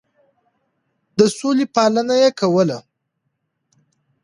د سولې پالنه يې کوله.